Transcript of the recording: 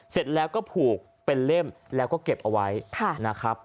เสร็จแล้วก็ผูกเป็นเล่มแล้วก็เก็บเอาไว้นะครับ